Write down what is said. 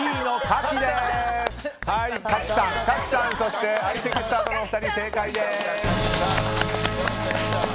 カキさん、そして相席スタートの２人正解です！